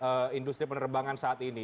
untuk industri penerbangan saat ini